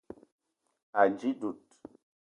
Ànji dud